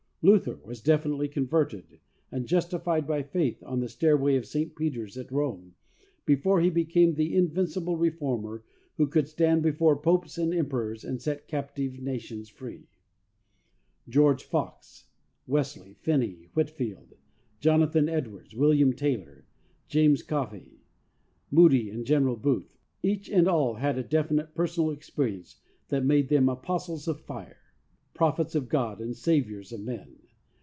Luther was definitely converted and jus tified by faith on the stairway of St. Peter's at Rome before he became the invincible re former who could stand before popes and emperors and set captive nations free. George Fox, Wesley, Finney, Whitefield, Jonathan Edwards, William Taylor, James 4 THE SOUL WINNER S SECRET. Caughey, Moody and General Booth, each and all had a definite personal experience that made them apostles of fire, prophets of God and saviours of men.